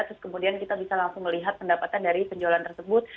terus kemudian kita bisa langsung melihat pendapatan dari penjualan tersebut